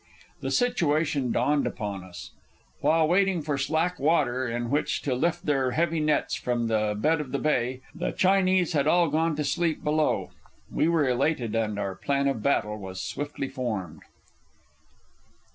The situation dawned upon us. While waiting for slack water, in which to lift their heavy nets from the bed of the bay, the Chinese had all gone to sleep below. We were elated, and our plan of battle was swiftly formed.